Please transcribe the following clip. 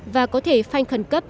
và có thể phanh khẩn cấp